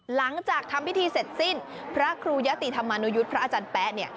หลังจากทำพิธีเสร็จสิ้นพระครูยะติธรรมานุยุทธ์พระอาจารย์แป๊ะเนี่ย